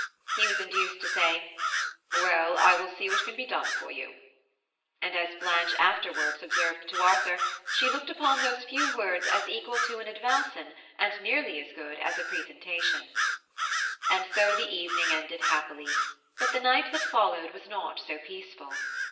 he was induced to say, "Well, I will see what can be done for you." And, as Blanche afterwards observed to Arthur, she looked upon those few words as equal to an advowson and nearly as good as a presentation. And so the evening ended happily; but the night that followed was not so peaceful.